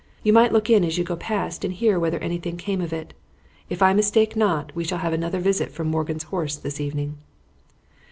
You might look in as you go past and hear whether anything came of it. If I mistake not, we shall have another visit from Morgan's horse this evening."